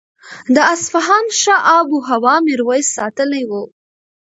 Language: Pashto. د اصفهان ښه آب و هوا میرویس ستایلې وه.